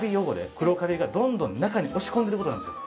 黒カビをどんどん中に押し込んでる事なんですよ。